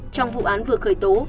trong vụ án vừa khởi tố